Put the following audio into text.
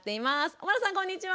尾花さんこんにちは！